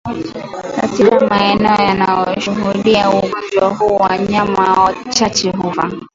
Katika maeneo yanayoshuhudia ugonjwa huu wanyama wachache hufa